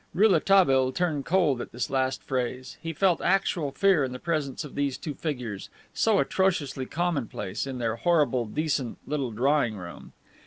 Rouletabille turned cold at this last phrase. He felt actual fear in the presence of these two figures, so atrociously commonplace, in their horrible, decent little drawing room.